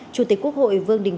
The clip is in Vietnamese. chủ tịch quốc hội vương đình